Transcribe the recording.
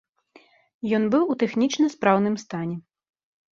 Ён быў у тэхнічна спраўным стане.